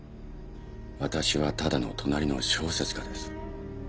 私はただの隣の小説家です。